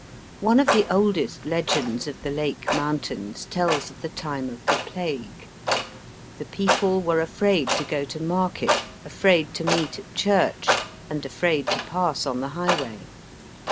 One of the oldest legends of the Lake mountains tells of the time of the plague. The people were afraid to go to market, afraid to meet at church, and afraid to pass on the highway.